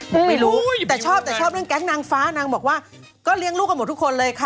พูดไม่รู้แต่ชอบเรื่องแก๊กนางฟ้านางบอกว่าก็เลี้ยงลูกกับทุกคนเลยค่ะ